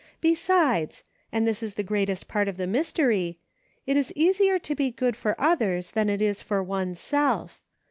Besides — and this is the greatest part of my discovery — it is easier to be good for others than it is for one's self.